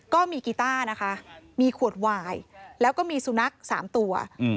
ก็มีกีต้านะคะมีขวดวายแล้วก็มีสุนัข๓ตัว